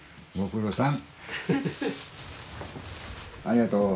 ありがとう。